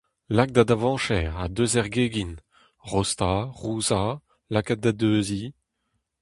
Lak da davañjer ha deus er gegin : rostañ, rouzañ, lakaat da deuziñ…